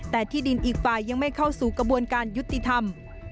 แต่ที่ดินอีกฝ่ายยังไม่เข้าสู่กระบวนการยุติธรรม